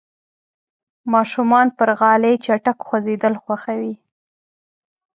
ماشومان پر غالۍ چټک خوځېدل خوښوي.